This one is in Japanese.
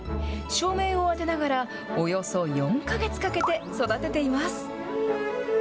照明を当てながら、およそ４か月かけて育てています。